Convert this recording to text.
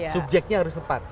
subjeknya harus tepat